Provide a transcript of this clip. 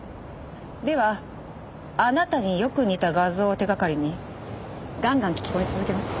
ではあなたによく似た画像を手掛かりにガンガン聞き込み続けます。